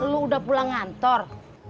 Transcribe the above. lo udah pulang kantor